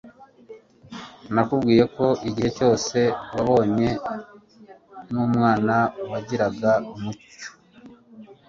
nakubwiye ko igihe cyose wabanye numwana wagiraga umucyo